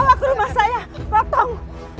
bawa ke rumah saya potong